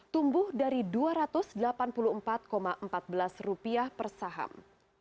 tumbuh dari rp dua ratus delapan puluh empat empat belas per saham